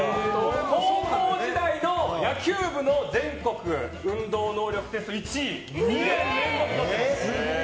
高校時代の野球部の全国能力テスト１位。